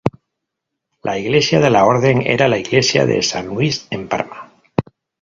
La iglesia de la Orden era la iglesia de San Luis en Parma.